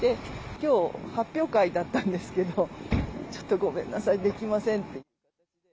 きょう、発表会だったんですけど、ちょっとごめんなさい、できませんって。